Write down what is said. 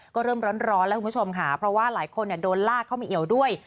ก็เริ่มร้อนแล้วคุณผู้ชมค่ะเพราะว่าหลายคนโดนลากเข้ามาเอี่ยวด้วย